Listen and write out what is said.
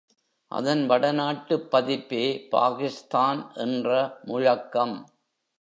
அதன் வடநாட்டுப் பதிப்பே பாகிஸ்தான் என்ற முழக்கம்.